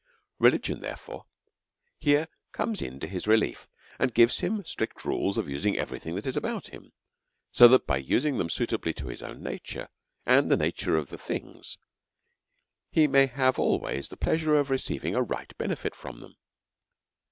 Religion, therefore, here comes in to his relief, and gives him strict rules of using every thing that is about him, that, by so using them suitably to his own nature and the nature of the things, he may have always the pleasure of receiving a right benefit from them.